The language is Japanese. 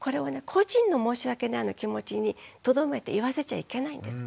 個人の申し訳ないの気持ちにとどめて言わせちゃいけないんです。